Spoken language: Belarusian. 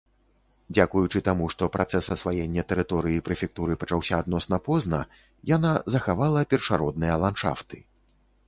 Дзякуючы таму, што працэс асваення тэрыторыі прэфектуры пачаўся адносна позна, яна захавала першародныя ландшафты.